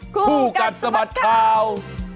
คู่กันสมัติคลาว